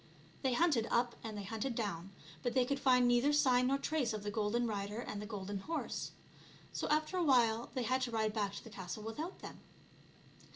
They hunted up and they hunted down, but they could find neither sign nor trace of the golden rider and the golden horse. So after a while they had to ride back to the castle without them.